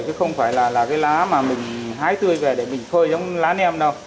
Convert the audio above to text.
chứ không phải là cái lá mà mình hái tươi về để mình phơi giống lá nem đâu